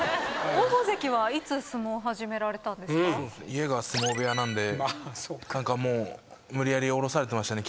家が相撲部屋なんで何かもう無理やりおろされてましたね